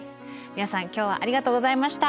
皆さん今日はありがとうございました。